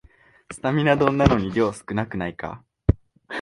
スタミナ丼なのに量少なくないか